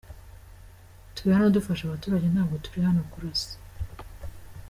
Turi hano gufasha abaturage, ntabwo turi hano kurasa.